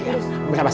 ya bener mas